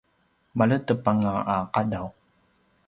maledep anga a qadaw